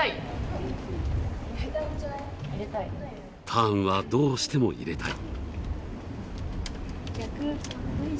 ターンはどうしても入れたい。